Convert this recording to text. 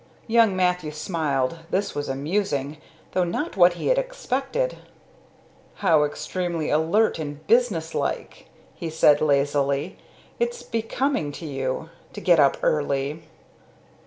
Young Mathew smiled. This was amusing, though not what he had expected. "How extremely alert and businesslike!" he said lazily. "It's becoming to you to get up early!"